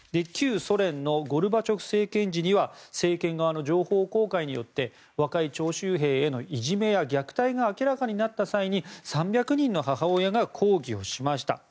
旧ソ連のゴルバチョフ政権時には政権側の情報公開によって若い徴集兵へのいじめや虐待が明らかになった際に３００人の母親が抗議をしました。